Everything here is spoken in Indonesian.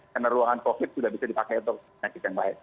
karena ruangan covid sembilan belas sudah bisa dipakai untuk penyakit yang lain